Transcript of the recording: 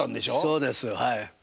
そうですはい。